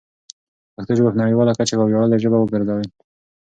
پښتو ژبه په نړیواله کچه یوه ویاړلې ژبه وګرځوئ.